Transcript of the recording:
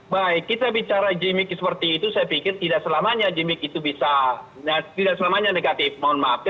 baik kita bicara gimmick seperti itu saya pikir tidak selamanya gimmick itu bisa tidak selamanya negatif mohon maaf ya